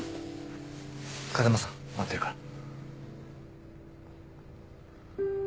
風間さん待ってるから。